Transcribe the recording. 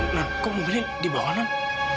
non kok mobilnya di bawah non